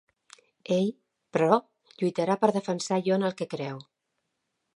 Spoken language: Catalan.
Ell però lluitarà per defensar allò en el que creu.